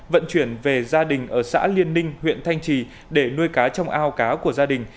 vận chuyển về gia đình ở xã liên ninh huyện thanh trì để nuôi cá trong ao cá của gia đình